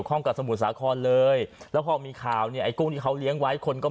ข้องกับสมุนสาของเลยแล้วพอมีข่าวไอกุ้งนี้เขาเลี้ยงไว้คนก็ไม่